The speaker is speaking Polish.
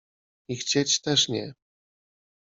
i chcieć też nie.